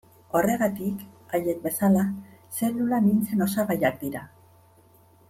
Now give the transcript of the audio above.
Horregatik, haiek bezala, zelula mintzen osagaiak dira.